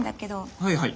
はいはい。